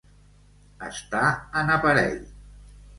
Estar en aparell.